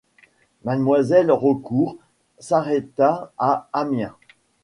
Mlle Raucourt s'arrêta à Amiens.